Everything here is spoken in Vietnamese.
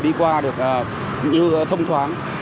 đi qua được như thông thoáng